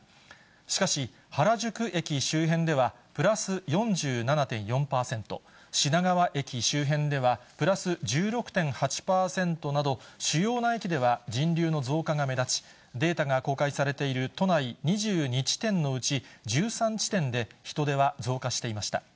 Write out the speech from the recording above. しかし、原宿駅周辺ではプラス４７．４％、品川駅周辺ではプラス１６．８％など、主要な駅では人流の増加が目立ち、データが公開されている都内２２地点のうち、１３地点で人出は増加していました。